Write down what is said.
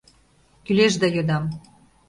Кӱлеш да йодам.